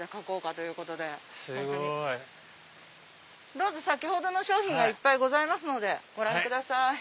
どうぞ先ほどの商品がいっぱいございますのでご覧ください。